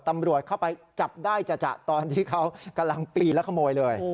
ตำรวจเข้าไปจับได้จะตอนที่เขากำลังปีนแล้วขโมยเลย